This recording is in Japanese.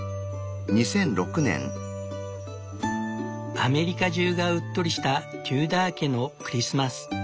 アメリカ中がうっとりしたテューダー家のクリスマス。